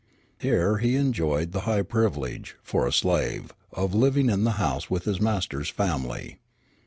Here he enjoyed the high privilege, for a slave, of living in the house with his master's family.